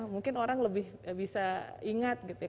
mungkin orang lebih bisa ingat gitu ya